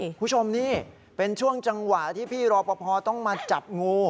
คุณผู้ชมนี่เป็นช่วงจังหวะที่พี่รอปภต้องมาจับงู